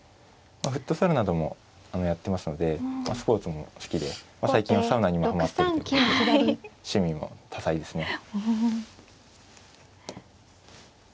フットサルなどもやってますのでスポーツも好きで最近はサウナにもはまってるということで趣味も多彩ですね。